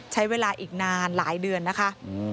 ใช้เวลาอีกนานหลายเดือนนะคะ